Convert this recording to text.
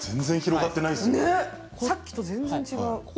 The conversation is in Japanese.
さっきと全然違う。